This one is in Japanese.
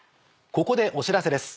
ここでお知らせです。